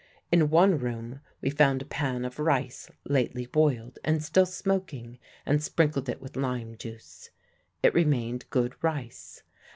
In one room we found a pan of rice lately boiled and still smoking, and sprinkled it with lime juice. It remained good rice.